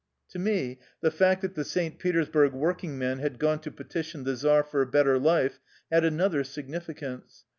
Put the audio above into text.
To me the fact that the St. Petersburg work ing men had gone to petition the czar for a bet ter life had another significance.